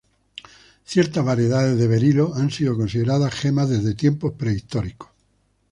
Ciertas variedades de berilo han sido consideradas gemas desde tiempos prehistóricos.